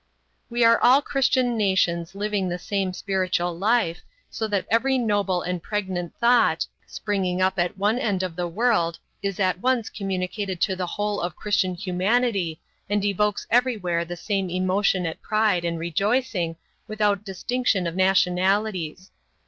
We are all Christian nations living the same spiritual life, so that every noble and pregnant thought, springing up at one end of the world, is at once communicated to the whole of Christian humanity and evokes everywhere the same emotion at pride and rejoicing without distinction of nationalities.